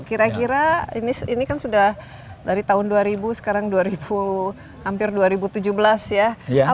kira kira ini kan sudah dari tahun dua ribu sekarang dua ribu hampir dua ribu tujuh belas ya